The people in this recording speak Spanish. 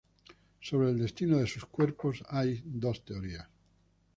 Sobre el destino de sus cuerpos hay dos teorías.